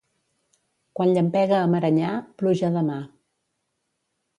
Quan llampega a Marenyà, pluja demà.